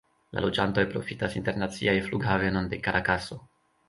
La loĝantoj profitas internacian flughavenon de Karakaso.